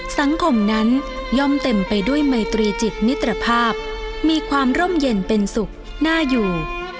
สังคมนั้นย่อมเต็มไปด้วยไมตรีจิตมิตรภาพมีความร่มเย็นเป็นสุขน่าอยู่